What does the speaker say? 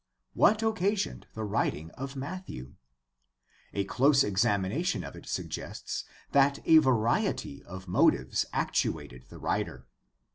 What occasioned the writing of Matthew ? A close examination of it suggests that a variety of motives actuated the writer.